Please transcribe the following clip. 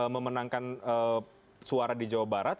memenangkan suara di jawa barat